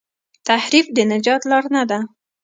تحریف د نجات لار نه ده.